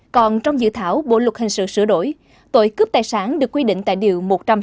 còn trong dự thảo bộ luật hình sự sửa đổi tội cướp tài sản được quy định tại điều một trăm sáu mươi